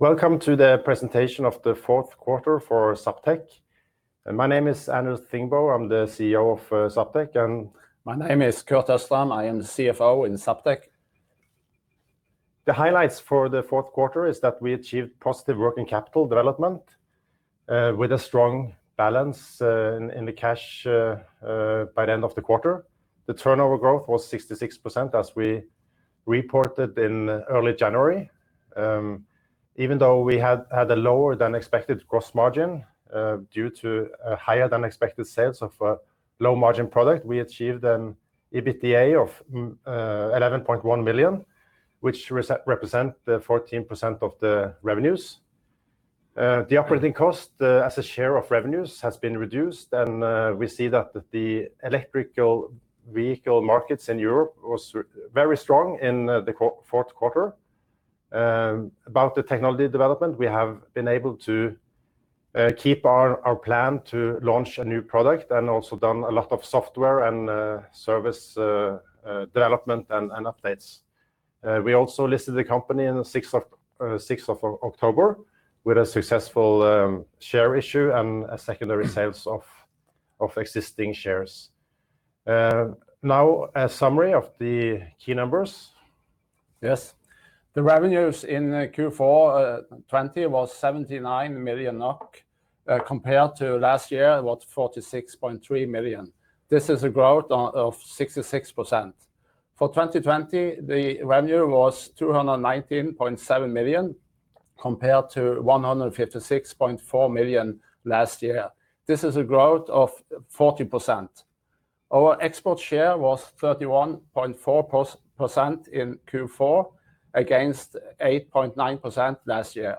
Welcome to the presentation of the fourth quarter for Zaptec. My name is Anders Thingbø. I'm the CEO of Zaptec and. My name is Kurt Østrem. I am the CFO in Zaptec. The highlights for the fourth quarter is that we achieved positive working capital development with a strong balance in the cash by the end of the quarter. The turnover growth was 66% as we reported in early January. Even though we had a lower than expected gross margin due to a higher than expected sales of a low margin product, we achieved an EBITDA of 11.1 million, which represent the 14% of the revenues. The operating cost as a share of revenues has been reduced and we see that the electrical vehicle markets in Europe was very strong in the fourth quarter. About the technology development, we have been able to keep our plan to launch a new product and also done a lot of software and service development and updates. We also listed the company in the 6th of October with a successful share issue and a secondary sales of existing shares. Now a summary of the key numbers. Yes. The revenues in Q4 2020 was 79 million NOK compared to last year was 46.3 million. This is a growth of 66%. For 2020, the revenue was 219.7 million compared to 156.4 million last year. This is a growth of 40%. Our export share was 31.4% in Q4 against 8.9% last year.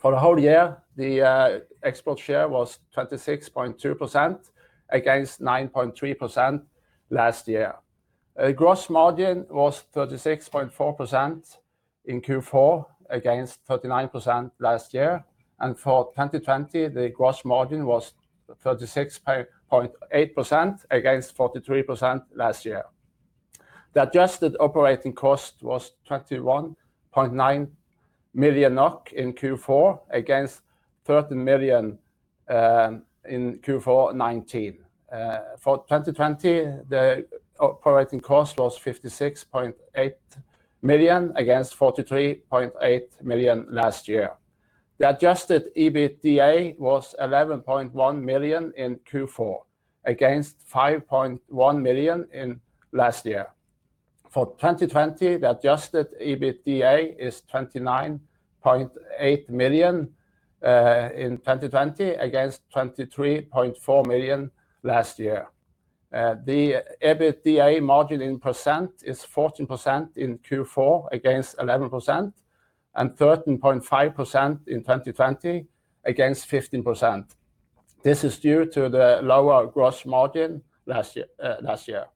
For the whole year, the export share was 26.2% against 9.3% last year. Gross margin was 36.4% in Q4 against 39% last year. For 2020, the gross margin was 36.8% against 43% last year. The adjusted operating cost was 21.9 million NOK in Q4 against 30 million in Q4 2019. For 2020, the operating cost was 56.8 million against 43.8 million last year. The adjusted EBITDA was 11.1 million in Q4 against 5.1 million in last year. For 2020, the adjusted EBITDA is 29.8 million in 2020 against 23.4 million last year. The EBITDA margin in percent is 14% in Q4 against 11% and 13.5% in 2020 against 15%. This is due to the lower gross margin last year.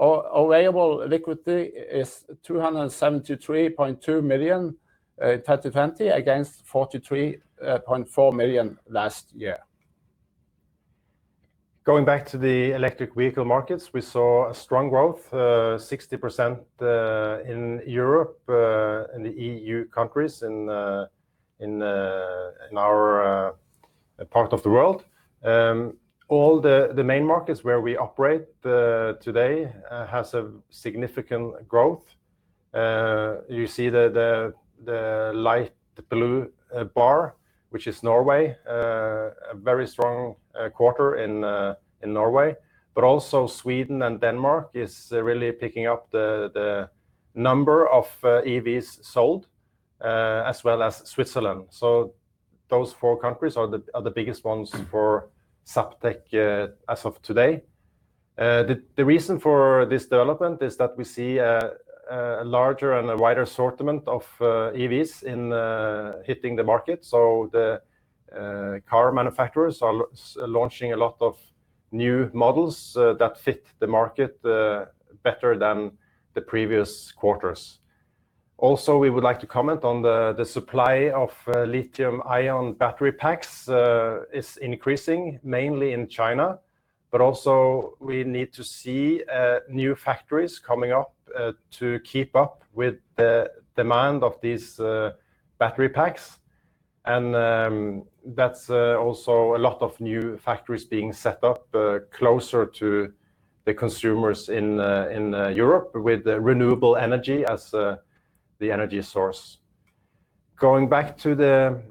Available liquidity is 273.2 million in 2020 against 43.4 million last year. Going back to the electric vehicle markets, we saw a strong growth, 60% in Europe, in the EU countries in our part of the world. All the main markets where we operate today has a significant growth. You see the light blue bar, which is Norway. A very strong quarter in Norway, also Sweden and Denmark is really picking up the number of EVs sold, as well as Switzerland. Those four countries are the biggest ones for Zaptec as of today. The reason for this development is that we see a larger and a wider assortment of EVs in hitting the market. The car manufacturers are launching a lot of new models that fit the market better than the previous quarters. We would like to comment on the supply of lithium ion battery packs is increasing mainly in China, but also we need to see new factories coming up to keep up with the demand of these battery packs. That's also a lot of new factories being set up closer to the consumers in Europe with renewable energy as the energy source. Going back to the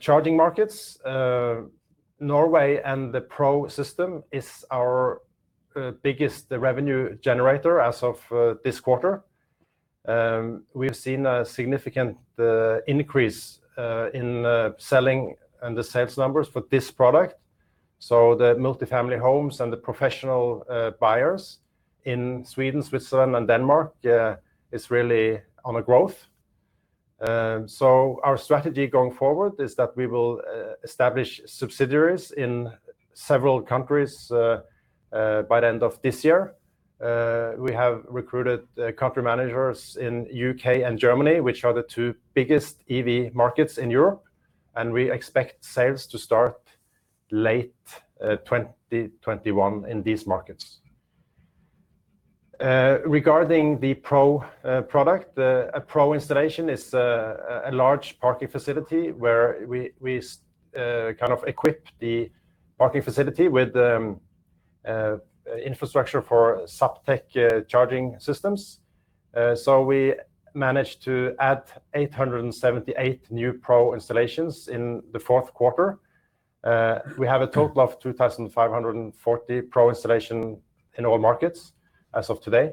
charging markets, Norway and the Pro system is our biggest revenue generator as of this quarter. We've seen a significant increase in selling and the sales numbers for this product. The multi-family homes and the professional buyers in Sweden, Switzerland, and Denmark is really on a growth. Our strategy going forward is that we will establish subsidiaries in several countries by the end of this year. We have recruited country managers in U.K. and Germany, which are the two biggest EV markets in Europe. We expect sales to start late 2021 in these markets. Regarding the Pro product, a Pro installation is a large parking facility where we equip the parking facility with infrastructure for Zaptec charging systems. We managed to add 878 new Pro installations in the fourth quarter. We have a total of 2,540 Pro installations in all markets as of today.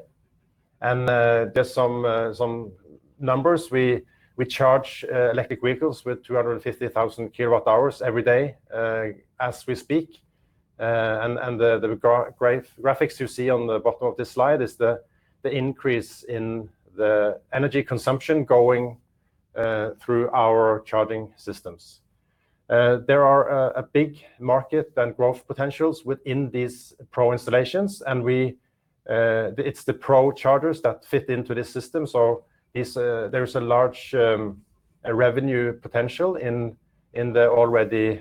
There's some numbers. We charge electric vehicles with 250,000 kWh every day as we speak. The graphics you see on the bottom of this slide is the increase in the energy consumption going through our charging systems. There are a big market and growth potentials within these Pro installations. It's the Pro chargers that fit into this system. There's a large revenue potential in the already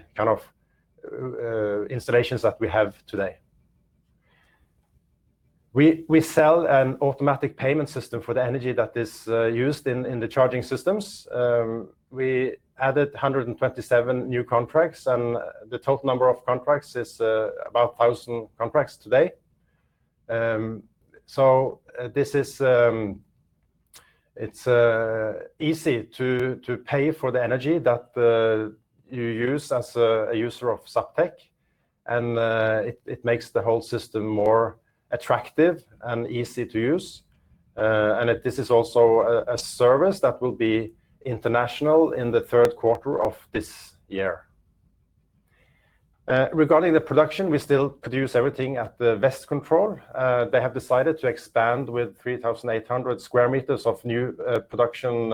installations that we have today. We sell an automatic payment system for the energy that is used in the charging systems. We added 127 new contracts, and the total number of contracts is about 1,000 contracts today. It's easy to pay for the energy that you use as a user of Zaptec, and it makes the whole system more attractive and easy to use. This is also a service that will be international in the third quarter of this year. Regarding the production, we still produce everything at the Westcontrol. They have decided to expand with 3,800 square meters of new production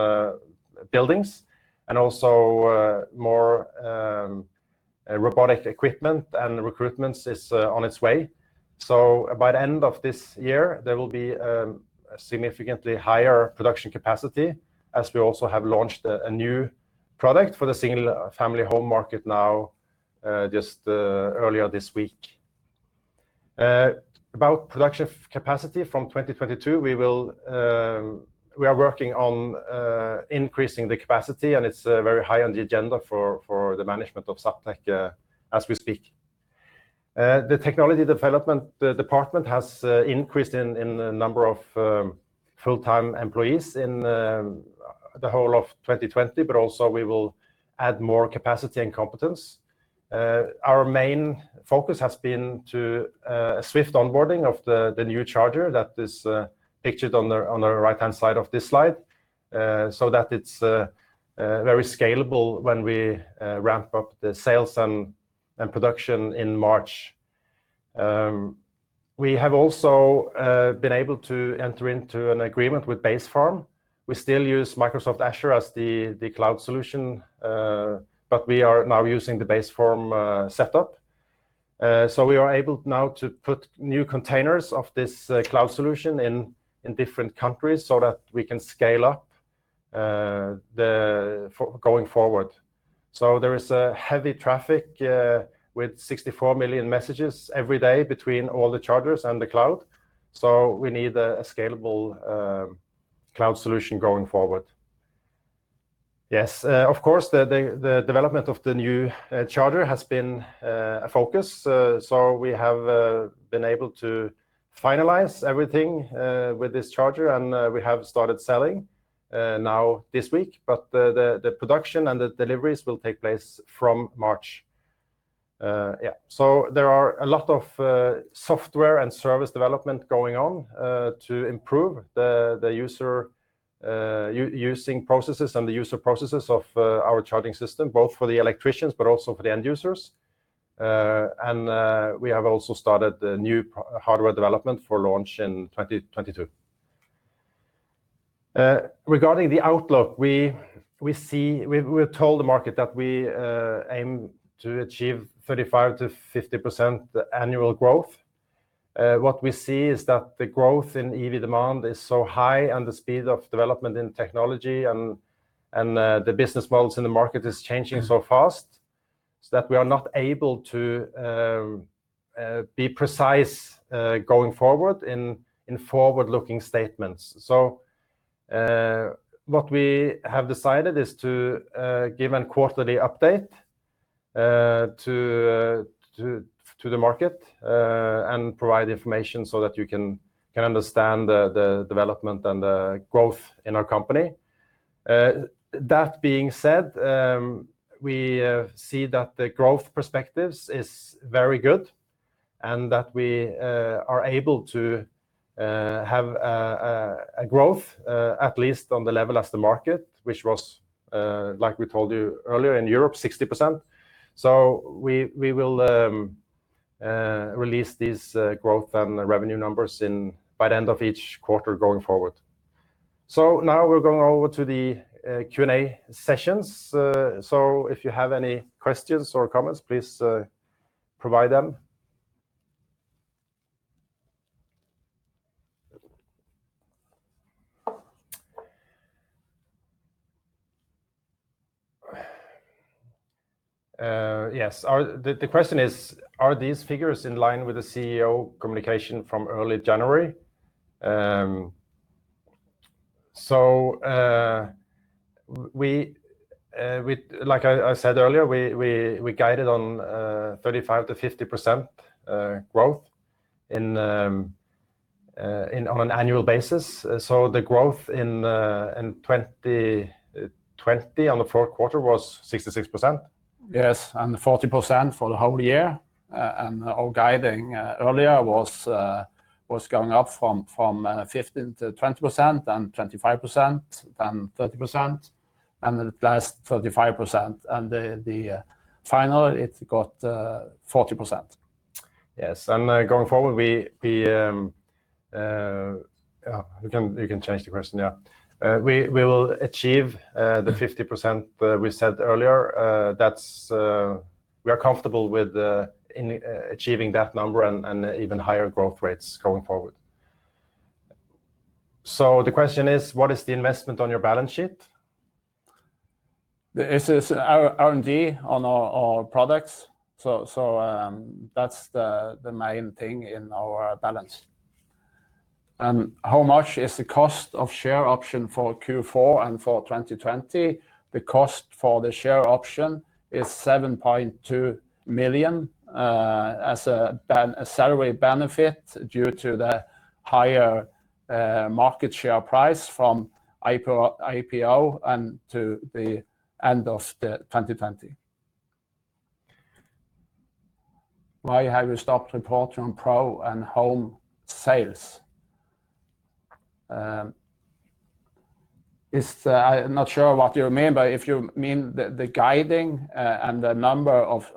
buildings and also more robotic equipment, and recruitment is on its way. By the end of this year, there will be a significantly higher production capacity as we also have launched a new product for the single-family home market now just earlier this week. About production capacity from 2022, we are working on increasing the capacity, and it's very high on the agenda for the management of Zaptec as we speak. The technology development department has increased in the number of full-time employees in the whole of 2020, but also we will add more capacity and competence. Our main focus has been to a swift onboarding of the new charger that is pictured on the right-hand side of this slide so that it's very scalable when we ramp up the sales and production in March. We have also been able to enter into an agreement with Basefarm. We still use Microsoft Azure as the cloud solution, but we are now using the Basefarm setup. We are able now to put new containers of this cloud solution in different countries so that we can scale up going forward. There is a heavy traffic with 64 million messages every day between all the chargers and the cloud. We need a scalable cloud solution going forward. Yes, of course, the development of the new charger has been a focus. We have been able to finalize everything with this charger, and we have started selling now this week. The production and the deliveries will take place from March. There are a lot of software and service development going on to improve the user using processes and the user processes of our charging system, both for the electricians but also for the end users. We have also started the new hardware development for launch in 2022. Regarding the outlook, we told the market that we aim to achieve 35%-50% annual growth. What we see is that the growth in EV demand is so high and the speed of development in technology and the business models in the market is changing so fast that we are not able to be precise going forward in forward-looking statements. What we have decided is to give a quarterly update to the market and provide information so that you can understand the development and the growth in our company. That being said, we see that the growth perspectives is very good and that we are able to have a growth at least on the level as the market, which was like we told you earlier in Europe, 60%. We will release these growth and revenue numbers by the end of each quarter going forward. We're going over to the Q&A sessions. If you have any questions or comments, please provide them. Yes. The question is: Are these figures in line with the CEO communication from early January? Like I said earlier, we guided on 35%-50% growth on an annual basis. The growth in 2020 on the fourth quarter was 66%. Yes, 40% for the whole year. Our guiding earlier was going up from 15%-20%, then 25%, then 30%, and then last 35%. The final, it got 40%. Yes. Going forward, you can change the question now. We will achieve the 50% we said earlier. We are comfortable with achieving that number and even higher growth rates going forward. The question is, what is the investment on your balance sheet? This is R&D on our products. That's the main thing in our balance. How much is the cost of share option for Q4 and for 2020? The cost for the share option is 7.2 million as a salary benefit due to the higher market share price from IPO and to the end of 2020. Why have you stopped reporting pro and home sales? I'm not sure what you mean, if you mean the guiding and the number of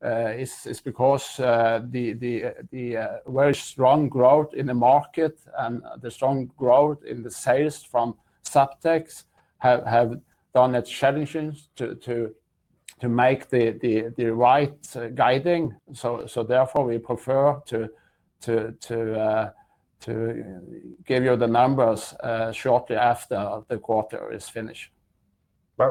chargers, it's because the very strong growth in the market and the strong growth in the sales from Zaptec have done it challenging to make the right guiding. Therefore, we prefer to give you the numbers shortly after the quarter is finished.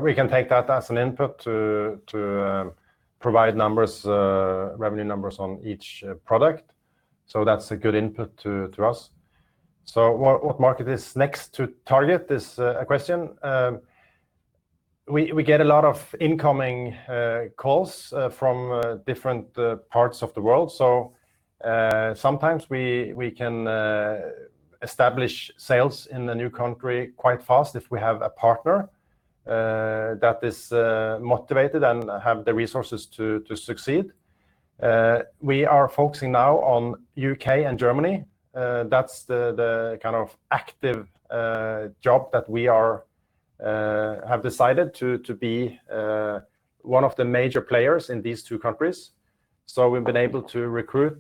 We can take that as an input to provide revenue numbers on each product. That's a good input to us. What market is next to target is a question. We get a lot of incoming calls from different parts of the world. Sometimes we can establish sales in a new country quite fast if we have a partner that is motivated and have the resources to succeed. We are focusing now on U.K. and Germany. That's the kind of active job that we have decided to be one of the major players in these two countries. We've been able to recruit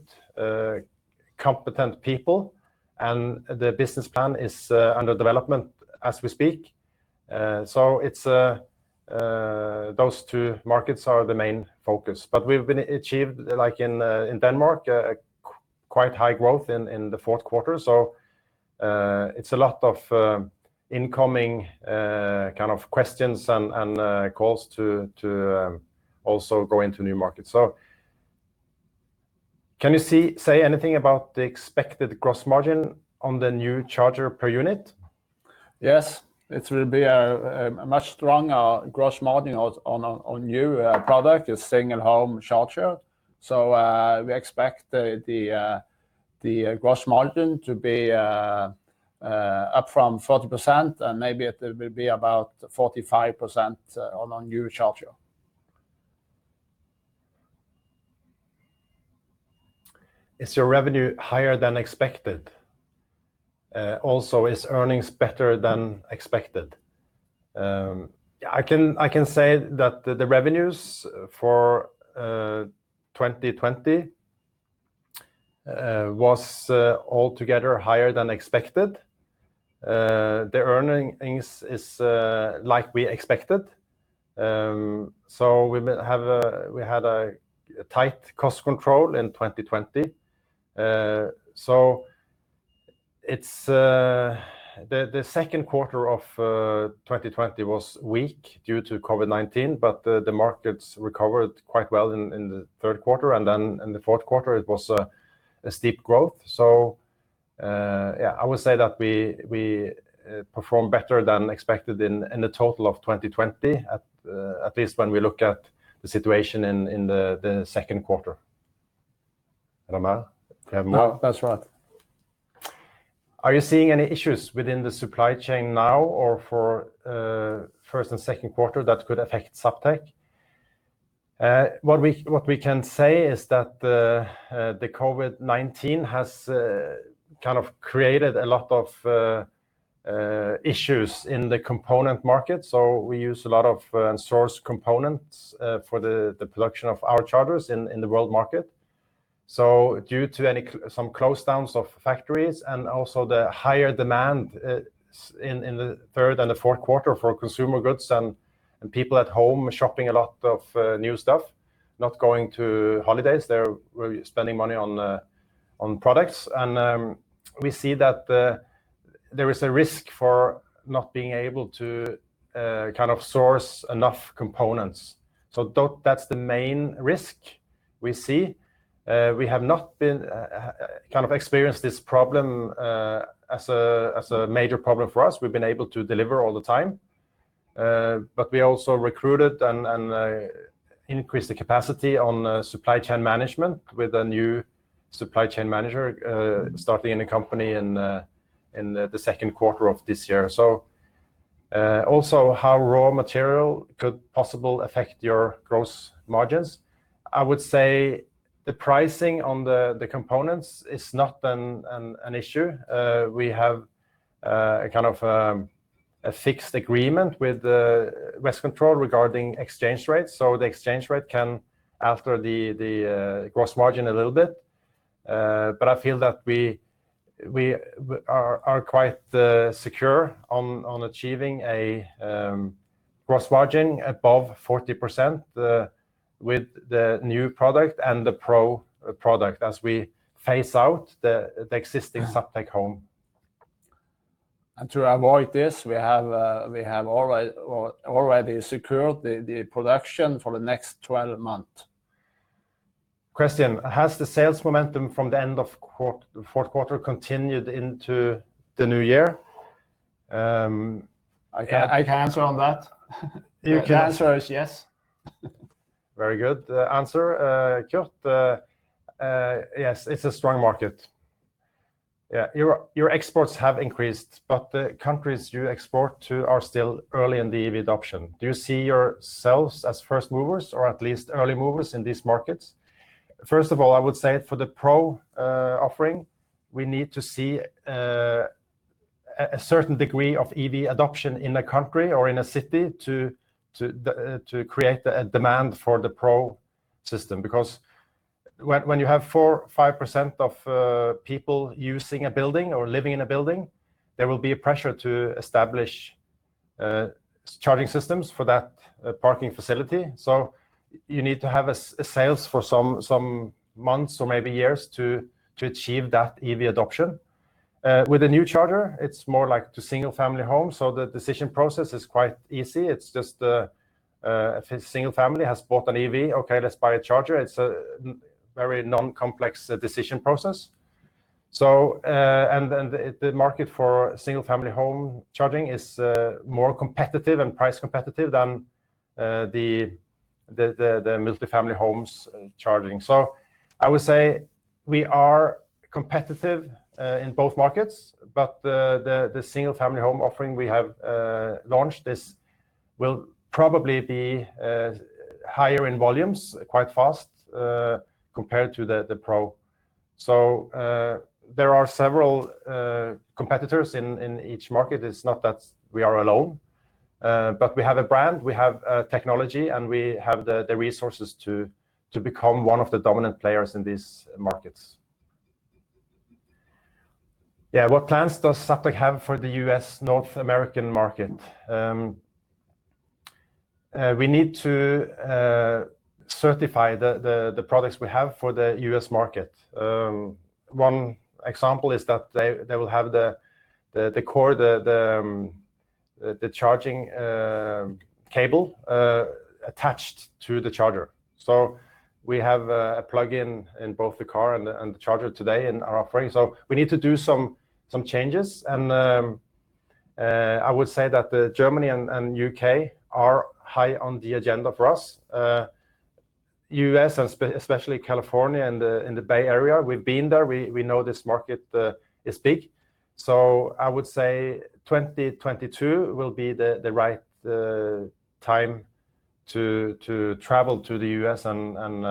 competent people and the business plan is under development as we speak. Those two markets are the main focus. We've achieved, like in Denmark, quite high growth in the fourth quarter. It's a lot of incoming kind of questions and calls to also go into new markets. Can you say anything about the expected gross margin on the new charger per unit? Yes. It will be a much stronger gross margin on new product, is staying at home charger. We expect the gross margin to be up from 40% and maybe it will be about 45% on new charger. Is your revenue higher than expected? Also, is earnings better than expected? I can say that the revenues for 2020 was altogether higher than expected. The earnings is like we expected. We had a tight cost control in 2020. The second quarter of 2020 was weak due to COVID-19, but the markets recovered quite well in the third quarter, and then in the fourth quarter it was a steep growth. Yeah, I would say that we performed better than expected in the total of 2020, at least when we look at the situation in the second quarter. Thingbø, do you have more? No, that's right. Are you seeing any issues within the supply chain now or for first and second quarter that could affect Zaptec? What we can say is that the COVID-19 has kind of created a lot of issues in the component market. We use a lot of sourced components for the production of our chargers in the world market. Due to some close downs of factories and also the higher demand in the third and the fourth quarter for consumer goods and people at home shopping a lot of new stuff, not going to holidays, they're spending money on products. We see that there is a risk for not being able to source enough components. That's the main risk we see. We have not experienced this problem as a major problem for us. We've been able to deliver all the time. We also recruited and increased the capacity on supply chain management with a new supply chain manager starting in the company in the second quarter of this year. Also how raw material could possible affect your gross margins. I would say the pricing on the components is not an issue. We have a fixed agreement with Westcontrol regarding exchange rates, so the exchange rate can alter the gross margin a little bit. I feel that we are quite secure on achieving a gross margin above 40% with the new product and the Pro product as we phase out the existing Zaptec Home. To avoid this, we have already secured the production for the next 12 months. Has the sales momentum from the end of the fourth quarter continued into the new year? I can answer on that. You can. The answer is yes. Very good answer, Kurt. It's a strong market. Your exports have increased, the countries you export to are still early in the EV adoption. Do you see yourselves as first movers, or at least early movers in these markets? First of all, I would say for the Pro offering, we need to see a certain degree of EV adoption in a country or in a city to create a demand for the Pro system, because when you have 4%, 5% of people using a building or living in a building, there will be a pressure to establish charging systems for that parking facility. You need to have a sales for some months or maybe years to achieve that EV adoption. With the new charger, it's more like to single-family home. The decision process is quite easy. It's just a single family has bought an EV, okay, let's buy a charger. It's a very non-complex decision process. The market for single-family home charging is more competitive and price competitive than the multi-family homes charging. I would say we are competitive in both markets, but the single-family home offering we have launched, this will probably be higher in volumes quite fast compared to the Pro. There are several competitors in each market. It's not that we are alone but we have a brand, we have technology, and we have the resources to become one of the dominant players in these markets. What plans does Zaptec have for the U.S., North American market? We need to certify the products we have for the U.S. market. One example is that they will have the charging cable attached to the charger. We have a plug-in in both the car and the charger today in our offering. We need to do some changes and I would say that Germany and U.K. are high on the agenda for us. U.S. and especially California and the Bay Area, we've been there. We know this market is big. I would say 2022 will be the right time to travel to the U.S. and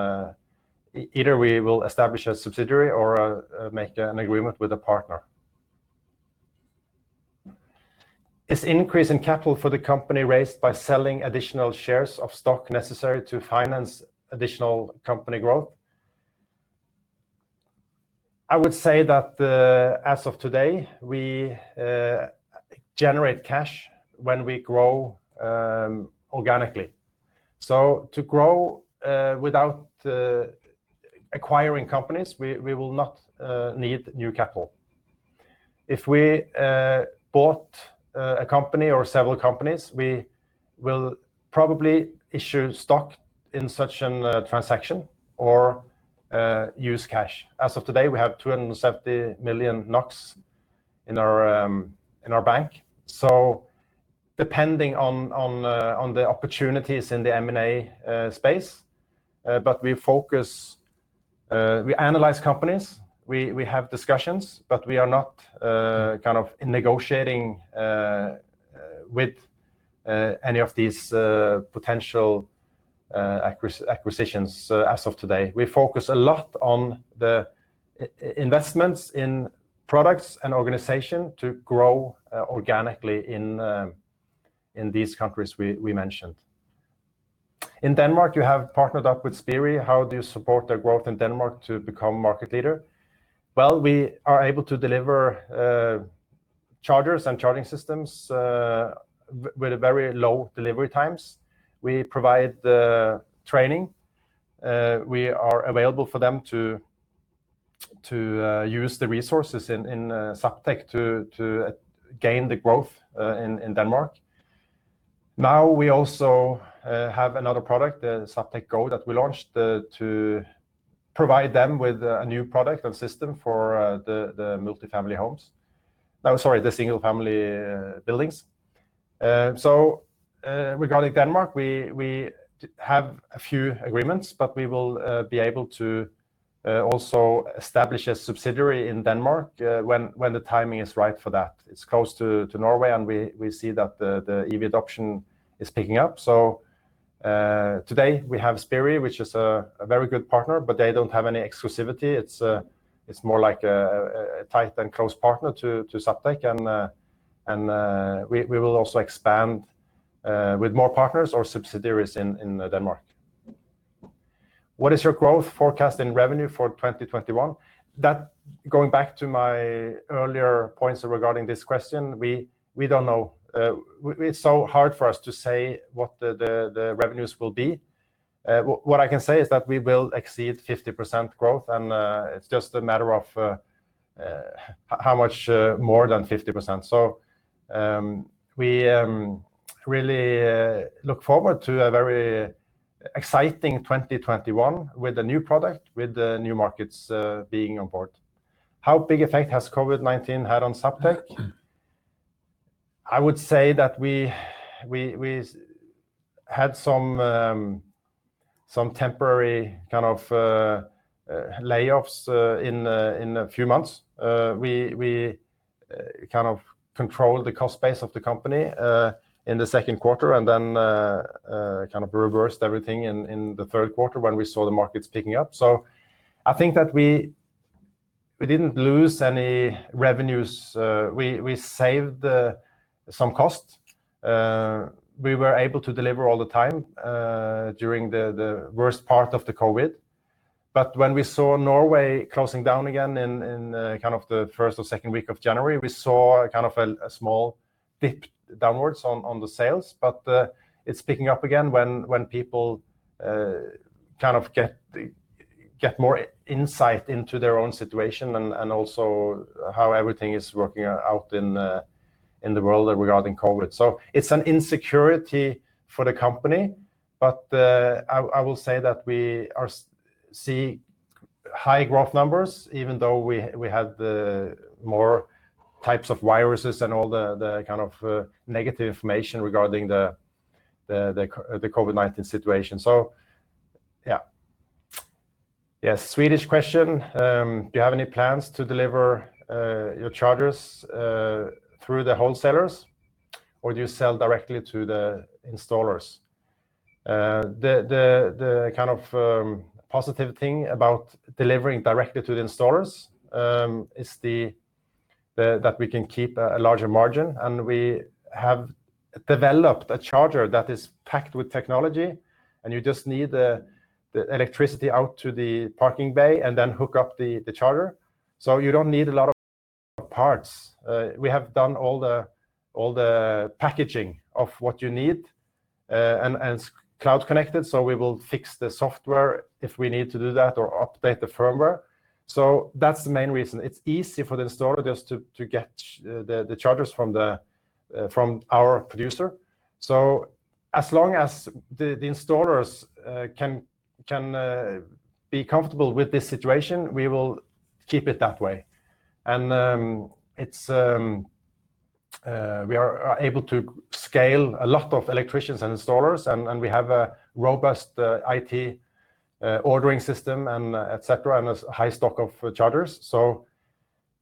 either we will establish a subsidiary or make an agreement with a partner. Is increase in capital for the company raised by selling additional shares of stock necessary to finance additional company growth? I would say that as of today, we generate cash when we grow organically. To grow without acquiring companies, we will not need new capital. If we bought a company or several companies, we will probably issue stock in such a transaction or use cash. As of today, we have 270 million NOK in our bank. Depending on the opportunities in the M&A space. We focus, we analyze companies, we have discussions, but we are not in negotiating with any of these potential acquisitions as of today. We focus a lot on the investments in products and organization to grow organically in these countries we mentioned. In Denmark, you have partnered up with Spirii. How do you support their growth in Denmark to become market leader? We are able to deliver chargers and charging systems with very low delivery times. We provide the training. We are available for them to use the resources in Zaptec to gain growth in Denmark. We also have another product, Zaptec Go, that we launched to provide them with a new product and system for the single-family buildings. Regarding Denmark, we have a few agreements, but we will be able to also establish a subsidiary in Denmark when the timing is right for that. It's close to Norway, and we see that the EV adoption is picking up. Today we have Spirii, which is a very good partner, but they don't have any exclusivity. It's more like a tight and close partner to Zaptec, and we will also expand with more partners or subsidiaries in Denmark. "What is your growth forecast in revenue for 2021?" Going back to my earlier points regarding this question, we don't know. It's so hard for us to say what the revenues will be. What I can say is that we will exceed 50% growth, and it's just a matter of how much more than 50%. We really look forward to a very exciting 2021 with a new product, with the new markets being on board. How big effect has COVID-19 had on Zaptec? I would say that we had some temporary kind of layoffs in a few months. We controlled the cost base of the company in the second quarter and then reversed everything in the third quarter when we saw the markets picking up. I think that we didn't lose any revenues. We saved some costs. We were able to deliver all the time during the worst part of the COVID. When we saw Norway closing down again in the first or second week of January, we saw a small dip downwards on the sales. It's picking up again when people get more insight into their own situation and also how everything is working out in the world regarding COVID. It's an insecurity for the company, but I will say that we see high growth numbers even though we have more types of viruses and all the negative information regarding the COVID-19 situation. Yeah. Yes, Swedish question. "Do you have any plans to deliver your chargers through the wholesalers, or do you sell directly to the installers?" The positive thing about delivering directly to the installers is that we can keep a larger margin, and we have developed a charger that is packed with technology, and you just need the electricity out to the parking bay and then hook up the charger. You don't need a lot of parts. We have done all the packaging of what you need and it's cloud connected, so we will fix the software if we need to do that or update the firmware. That's the main reason. It's easy for the installer just to get the chargers from our producer. As long as the installers can be comfortable with this situation, we will keep it that way. We are able to scale a lot of electricians and installers, and we have a robust IT ordering system and et cetera, and a high stock of chargers.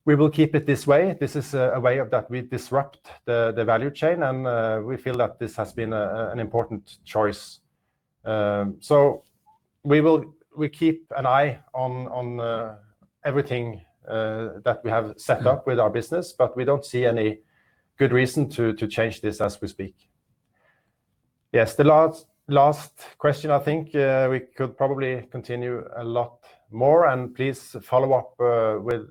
We will keep it this way. This is a way that we disrupt the value chain, and we feel that this has been an important choice. We keep an eye on everything that we have set up with our business, but we don't see any good reason to change this as we speak. Yes, the last question, I think we could probably continue a lot more and please follow up with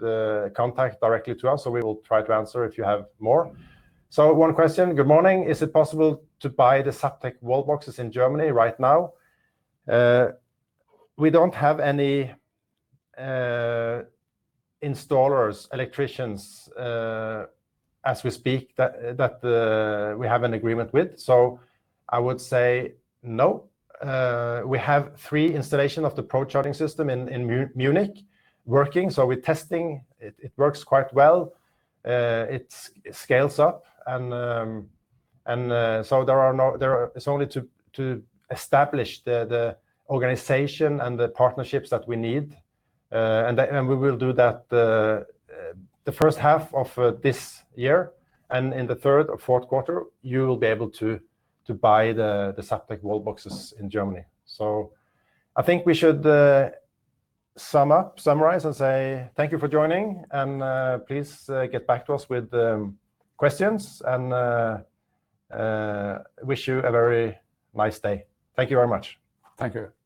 contact directly to us so we will try to answer if you have more. One question, "Good morning. Is it possible to buy the Zaptec wall boxes in Germany right now?" We don't have any installers, electricians as we speak that we have an agreement with, I would say no. We have three installation of the Pro charging system in Munich working, we're testing. It works quite well. It scales up it's only to establish the organization and the partnerships that we need. We will do that the first half of this year. In the third or fourth quarter, you will be able to buy the Zaptec wall boxes in Germany. I think we should summarize and say thank you for joining and please get back to us with questions and wish you a very nice day. Thank you very much. Thank you.